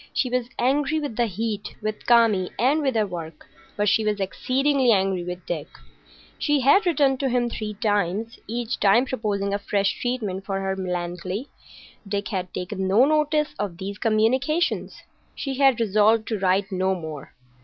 She was angry with the heat, with Kami, and with her work, but she was exceedingly angry with Dick. She had written to him three times,—each time proposing a fresh treatment of her Melancolia. Dick had taken no notice of these communications. She had resolved to write no more.